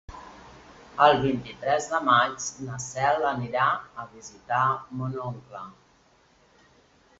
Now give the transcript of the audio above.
El vint-i-tres de maig na Cel anirà a visitar mon oncle.